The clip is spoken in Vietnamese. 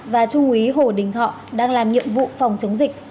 và trung úy hồ đình thọ đang làm nhiệm vụ phòng chống dịch